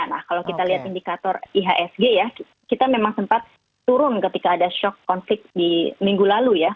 nah kalau kita lihat indikator ihsg ya kita memang sempat turun ketika ada shock konflik di minggu lalu ya